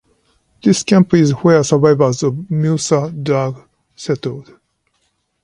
This camp is where survivors of Musa Dagh settled.